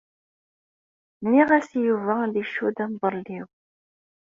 Nniɣ-as i Yuba ad icudd amḍelliw.